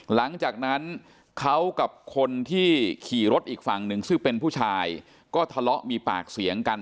หลังจากนั้นเขากับคนที่ขี่รถอีกฝั่งหนึ่งซึ่งเป็นผู้ชายก็ทะเลาะมีปากเสียงกัน